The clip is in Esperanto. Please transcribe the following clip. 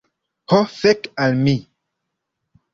Ho, fek' al mi